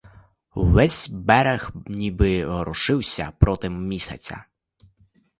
Ввесь берег ніби ворушився проти місяця.